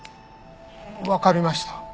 わかりました。